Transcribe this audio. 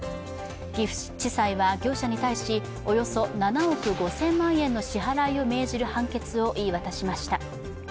岐阜地裁は、業者に対しおよ７億５０００万円の支払いを命じる判決を言い渡しました。